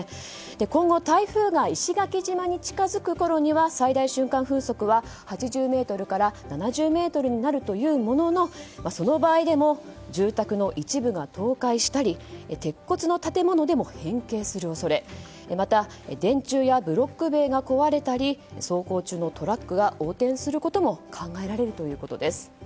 今後、台風が石垣島に近づくころには最大瞬間風速は８０メートルから７０メートルになるというもののその場合でも住宅の一部が倒壊したり鉄骨の建物でも変形する恐れまた、電柱やブロック塀が壊れたり走行中のトラックが横転することも考えられるということです。